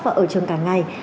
và ở trường cả ngày